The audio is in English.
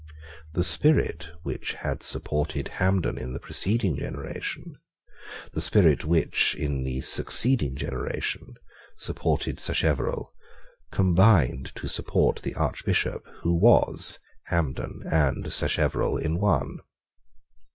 The spirit which had supported Hampden in the preceding generation, the spirit which, in the succeeding generation, supported Sacheverell, combined to support the Archbishop who was Hampden and Sacheverell in one.